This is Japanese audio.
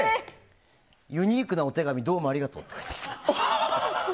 ユニークなお手紙どうもありがとうって返ってきた。